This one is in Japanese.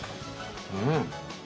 うん。